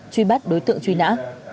truy bắt đối tượng truy nã